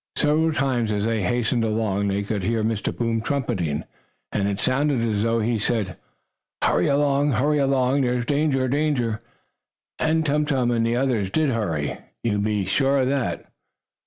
Several times as they hastened along, they could hear Mr. Boom trumpeting, and it sounded as though he said: "Hurry along! Hurry along! There's danger! Danger!" And Tum Tum and the others did hurry, you may be sure of that.